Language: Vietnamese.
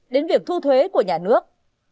đến việc thu thuế của nhà nước